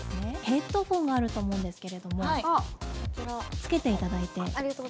ヘッドホンがあると思うんですけれどもつけていただいて。